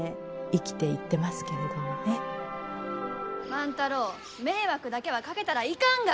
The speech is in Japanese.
万太郎迷惑だけはかけたらいかんが！